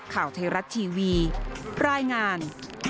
ข่าวไทยรัฐทีวีรายงาน